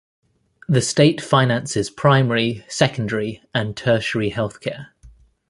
The state finances primary, secondary and tertiary healthcare.